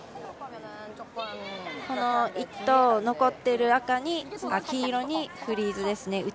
この１投残っている黄色にフリーズですね。